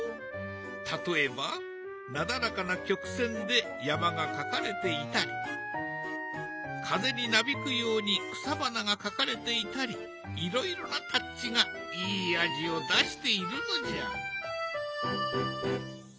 例えばなだらかな曲線で山が描かれていたり風になびくように草花が描かれていたりいろいろなタッチがいい味を出しているのじゃ。